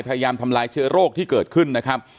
พยายามทำลายเชื้อโรคที่เกิดขึ้นนะครับ